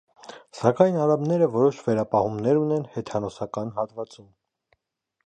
Սակայն արաբները որոշ վերապահումներ ունեն հեթանոսական հատվածում։